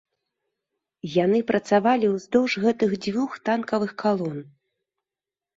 Яны працавалі ўздоўж гэтых дзвюх танкавых калон.